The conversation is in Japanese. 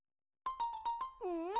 うん？